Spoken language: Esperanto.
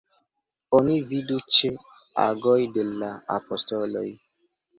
Oni vidu ĉe Agoj de la Apostoloj.